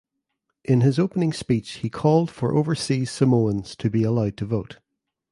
In his opening speech he called for overseas Samoans to be allowed to vote.